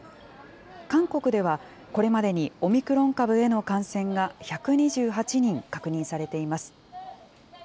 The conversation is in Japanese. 韓国ではこれまでにオミクロン株への感染が１２８人確認されています。